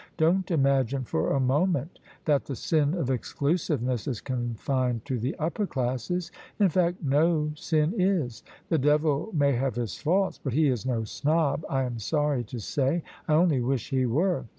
Don't imagine for a moment that the sin of exclusiveness is confined to the upper classes. In fact no sin is. The devil may have his faults, but he is no snob, I am sorry to say. I only wish he were!